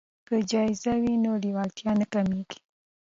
که جایزه وي نو لیوالتیا نه کمیږي.